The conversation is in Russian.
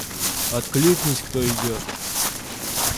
Откликнись кто идёт!